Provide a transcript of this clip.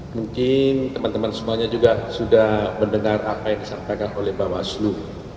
mungkin teman teman semuanya juga sudah mendengar apa yang disampaikan oleh bawaslu